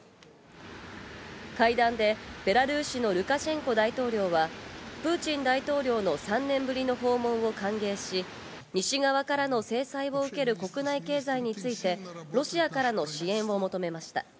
会談で、ベラルーシのルカシェンコ大統領はプーチン大統領の３年ぶりの訪問を歓迎し、西側からの制裁を受ける国内経済についてロシアからの支援を求めました。